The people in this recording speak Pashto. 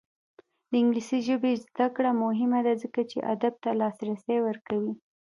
د انګلیسي ژبې زده کړه مهمه ده ځکه چې ادب ته لاسرسی ورکوي.